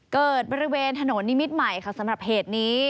เกิดบริเวณถนนนิมิตรใหม่ค่ะสำหรับเหตุนี้